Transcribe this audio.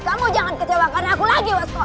kamu jangan kecewakan aku lagi waskol